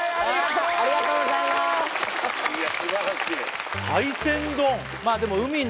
はーいいや素晴らしい